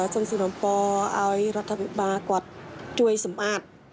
ส่งสินคมพอร์ให้รัฐบาลกว่าช่วยสัมมาตย์